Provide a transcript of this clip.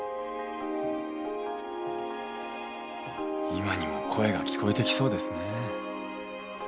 今にも声が聞こえてきそうですね。